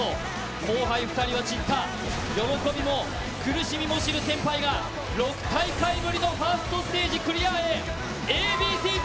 後輩２人は散った、喜びも苦しみも知る先輩が６大会ぶりのファーストステージクリアへ、Ａ．Ｂ．Ｃ−Ｚ